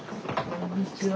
・こんにちは。